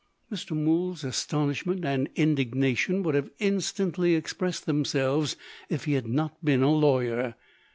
Mr. Mool's astonishment and indignation would have instantly expressed themselves, if he had not been a lawyer.